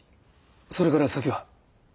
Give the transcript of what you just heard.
それから先は？